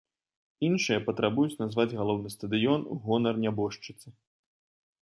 Іншыя патрабуюць назваць галоўны стадыён у гонар нябожчыцы.